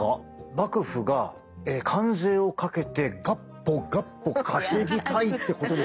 幕府が関税をかけてガッポガッポ稼ぎたいってことですよね？